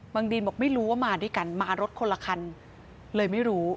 ดีนบอกไม่รู้ว่ามาด้วยกันมารถคนละคันเลยไม่รู้